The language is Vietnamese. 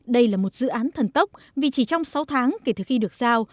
đây là một dự án thần tốc vì chỉ trong sáu tháng kể từ khi được giao